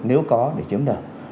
nếu có để chiếm đợi